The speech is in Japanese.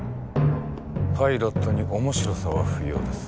パイロットに面白さは不要です。